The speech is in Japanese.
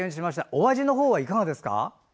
お味の方はいかがですか？